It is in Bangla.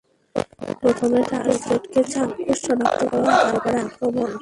প্রথমে টার্গেটকে চাক্ষুস সনাক্ত করো, তারপরে আক্রমণ।